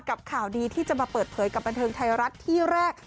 ข่าวดีที่จะมาเปิดเผยกับบันเทิงไทยรัฐที่แรก